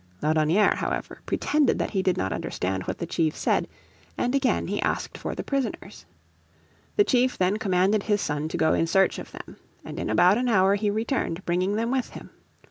Laudonnière, however, pretended that he did not understand what the chief said, and again he asked for the prisoners. The chief then commanded his son to go in search of them, and in about an hour he returned bringing them with him.